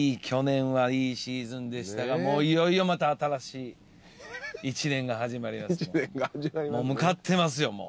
去年はいいシーズンでしたがもういよいよまた新しい１年が始まりますもんもう向かってますよ